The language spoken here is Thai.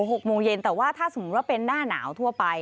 หกโมงเย็นแต่ว่าถ้าสมมุติว่าเป็นหน้าหนาวทั่วไป